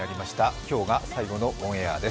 今日が最後のオンエアです。